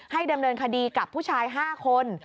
ดำเนินคดีกับผู้ชาย๕คน